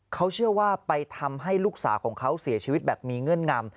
เขาเชื่อว่าไปทำให้ลูกสาวของเขาเสียชีวิตแบบมีเงื่อนงำ